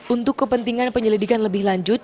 untuk kepentingan penyelidikan lebih lanjut